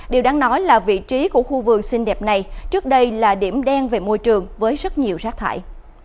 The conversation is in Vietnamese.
điều đáng nói là vị trí của khu vườn xinh đẹp này trước đây là điểm đen về môi trường với rất nhiều rác thải